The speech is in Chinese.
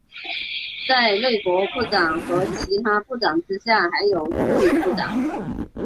在内阁部长和其他部长之下还有助理部长。